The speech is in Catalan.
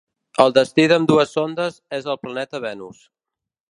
El destí d'ambdues sondes és el planeta Venus.